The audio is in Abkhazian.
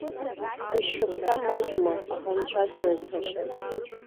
Быжьшықәса маҷума, аха анцәа срыцҳашьа!